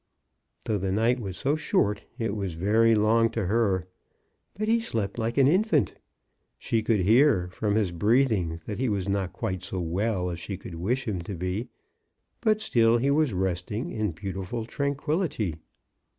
Though the night was so short, it was very long to her. But he slept like an infant. She could hear from his breathing that he was not quite so well as she could wish him to be, but still he was resting in beautiful tranquillity.